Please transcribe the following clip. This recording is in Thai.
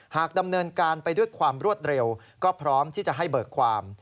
หากดำเนินการไปด้วยความรวดเร็วก็พร้อมที่จะให้เบิกความ